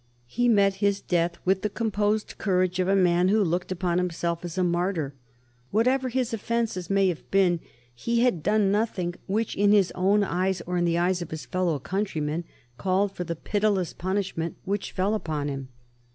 He met his death with the composed courage of a man who looked upon himself as a martyr. Whatever his offences may have been, he had done nothing which in his own eyes, or in the eyes of his fellow countrymen, called for the pitiless punishment which fell upon him.